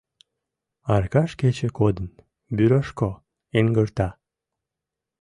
Аркаш кече кодын «Бюрошко» йыҥгырта.